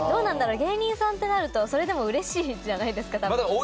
芸人さんってなるとそれでも嬉しいじゃないですか多分。